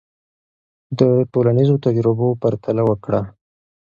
د ټولنیزو تجربو پرتله وکړه.